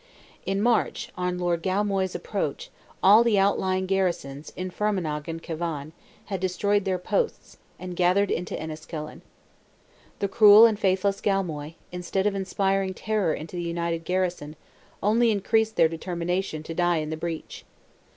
In March, on Lord Galmoy's approach, all the outlying garrisons, in Fermanagh and Cavan, had destroyed their posts, and gathered into Enniskillen. The cruel and faithless Galmoy, instead of inspiring terror into the united garrison, only increased their determination to die in the breach.